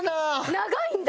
長いんだ？